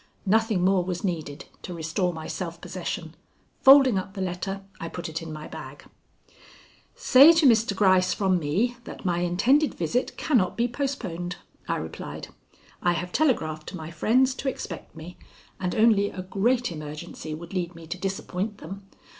Nothing more was needed to restore my self possession. Folding up the letter, I put it in my bag. "Say to Mr. Gryce from me that my intended visit cannot be postponed," I replied. "I have telegraphed to my friends to expect me, and only a great emergency would lead me to disappoint them.